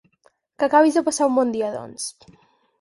Que acabis de passar un bon dia, doncs.